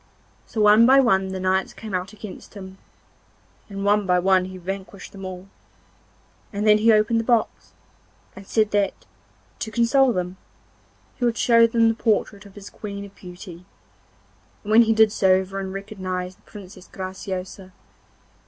So one by one the knights came out against him, and one by one he vanquished them all, and then he opened the box, and said that, to console them, he would show them the portrait of his Queen of Beauty, and when he did so everyone recognised the Princess Graciosa.